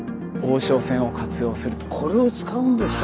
これを使うんですか。